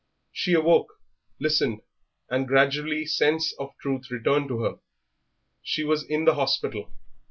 She awoke, listened, and gradually sense of the truth returned to her. She was in the hospital....